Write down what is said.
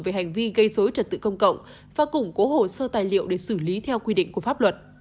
về hành vi gây dối trật tự công cộng và củng cố hồ sơ tài liệu để xử lý theo quy định của pháp luật